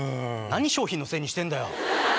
何商品のせいにしてんだよ！